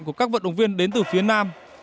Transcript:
của các vận động viên đến từ phía nam